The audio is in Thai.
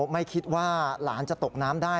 ไม่คิดว่าหลานจะตกน้ำได้